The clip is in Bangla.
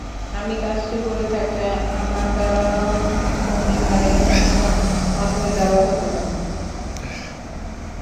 আমি কাজটি করে থাকলে আমার দ্বারাও হতে পারে অথবা অন্যের দ্বারাও হতে পারে।